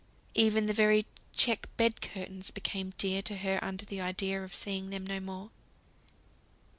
Even the very check bed curtains became dear to her under the idea of seeing them no more.